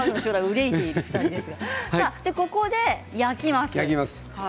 ここで焼きます。